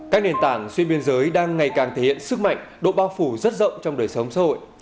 các nền tảng xuyên biên giới đang ngày càng thể hiện sức mạnh độ bao phủ rất rộng trong đời sống xã hội